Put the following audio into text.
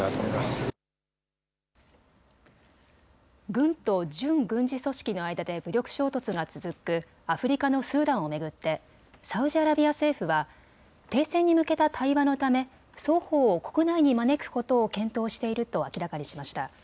軍と準軍事組織の間で武力衝突が続くアフリカのスーダンを巡ってサウジアラビア政府は停戦に向けた対話のため双方を国内に招くことを検討していると明らかにしました。